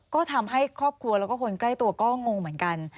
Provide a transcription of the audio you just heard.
ก็ทำให้ครอบครัวแล้วก็คนใกล้ตัวก็งงเหมือนกัน